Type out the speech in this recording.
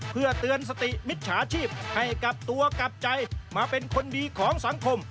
เพื่อเตือนสติมิจฉาชีพให้กลับตัวกลับใจมาเป็นคนดีของสังคม